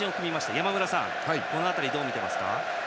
山村さん、この辺りどう見ますか。